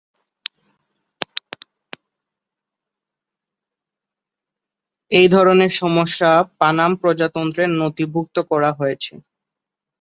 এই ধরনের সমস্যা পানাম প্রজাতন্ত্রে নথিভুক্ত করা হয়েছে।